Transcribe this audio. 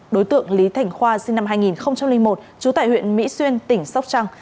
đối tượng lý thành khoa sinh năm hai nghìn một trú tại huyện mỹ xuyên tỉnh sóc trăng